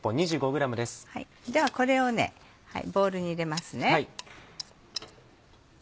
ではこれをボウルに入れますね。